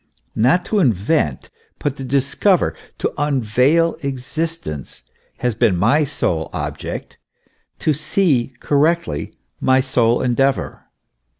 Not to invent, but to discover, "to unveil existence," has been my sole object; to see correctly, my sole endeavour.